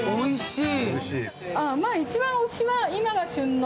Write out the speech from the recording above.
おいしい。